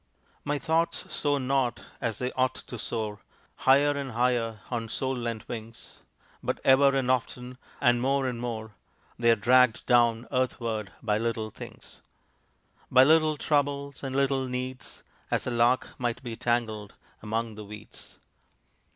My thoughts soar not as they ought to soar, Higher and higher on soul lent wings; But ever and often, and more and more They are dragged down earthward by little things, By little troubles and little needs, As a lark might be tangled among the weeds.